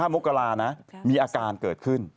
๒๕โมกกะลามีอาการเกิดขึ้น